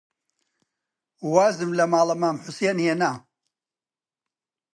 وازم لە ماڵە مام حوسێن هێنا